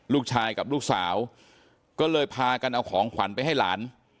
ลูกชายกับลูกสาวก็เลยพากันเอาของขวัญไปให้หลาน